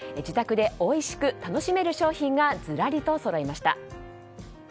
自宅でおいしく楽しめる商品がずらりとそろいました。